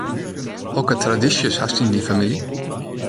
Hokker tradysjes hast yn dyn famylje?